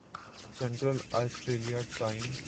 central Australia time